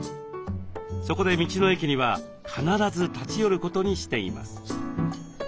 そこで道の駅には必ず立ち寄ることにしています。